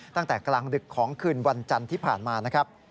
ตั้งแต่กลางดึกของคืนวันจันทร์ที่ผ่านมานะครับ